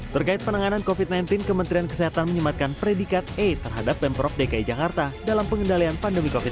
terkait penanganan covid sembilan belas kementerian kesehatan menyematkan predikat e terhadap pemprov dki jakarta dalam pengendalian pandemi covid sembilan belas